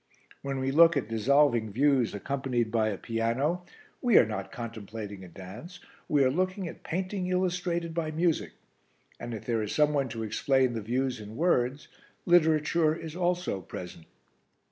When we look at dissolving views accompanied by a piano, we are not contemplating a dance we are looking at painting illustrated by music; and, if there is some one to explain the views in words, literature is also present.